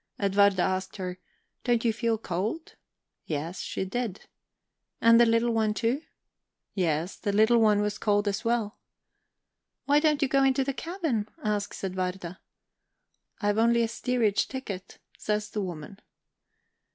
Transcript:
Edwarda asked her: 'Don't you feel cold?' Yes, she did. 'And the little one too?' Yes, the little one was cold as well. 'Why don't you go into the cabin?' asks Edwarda. 'I've only a steerage ticket,' says the woman.